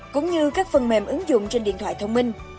cũng như các phần mềm ứng dụng trên điện thoại thông minh